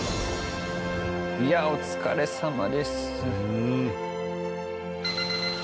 いやお疲れさまです。